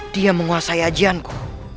dia menguasai ajianku